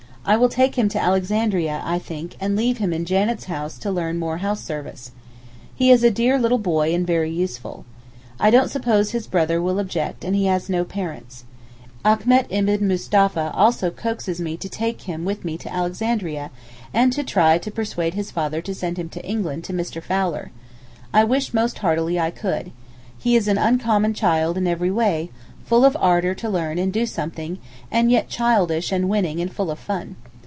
I will take him to Alexandria, I think, and leave him in Janet's house to learn more house service. He is a dear little boy and very useful. I don't suppose his brother will object and he has no parents. Achmet ibn Mustapha also coaxes me to take him with me to Alexandria, and to try again to persuade his father to send him to England to Mr. Fowler. I wish most heartily I could. He is an uncommon child in every way, full of ardour to learn and do something, and yet childish and winning and full of fun.